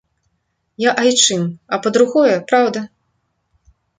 Я айчым, а па-другое, праўда!